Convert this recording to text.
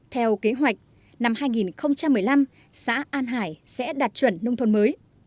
theo kế hoạch năm hai nghìn một mươi năm xã an hải sẽ đạt chuẩn nông thôn mới